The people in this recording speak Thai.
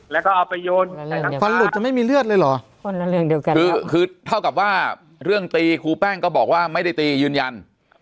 แล้วก็เอาไปโยนฟันลุดจะไม่มีเลือดเลยเหรอคือเท่ากับว่าเรื่องตีครูแป้งก็บอกว่าไม่ได้ตียืนยัน